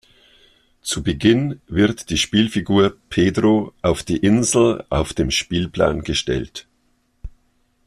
Zu Beginn wird die Spielfigur „Pedro“ auf die Insel auf dem Spielplan gestellt.